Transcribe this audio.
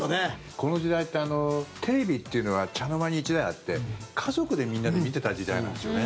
この時代ってテレビというのは茶の間に１台あって家族でみんなで見てた時代なんですよね。